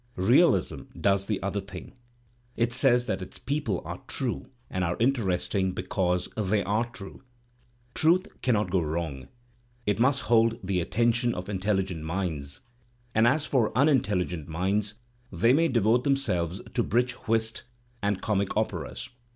Realism does the other thing. It says that its people are true and are interesting because they are true. Truth cannot go wrong; it must hold the at tention of intelligent minds, and as for unintelligent minds, they may devote themselves to bridge whist and comic operas.